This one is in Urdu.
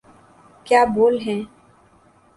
کیا بول ہیں۔